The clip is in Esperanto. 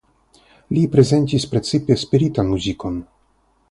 Li prezentis precipe spiritan muzikon.